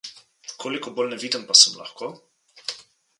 Koliko bolj neviden pa sem lahko?